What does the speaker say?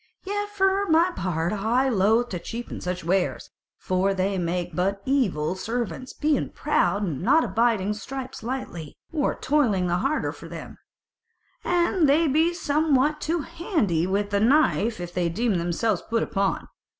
Yet for my part I were loth to cheapen such wares: for they make but evil servants, being proud, and not abiding stripes lightly, or toiling the harder for them; and they be somewhat too handy with the knife if they deem themselves put upon.